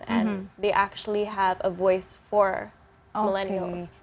mereka sebenarnya memiliki suara untuk milenial